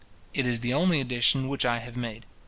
It is the only addition which I have made.